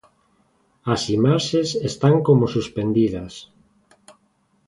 As imaxes están como suspendidas.